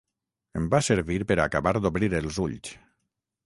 Em va servir per a acabar d’obrir els ulls.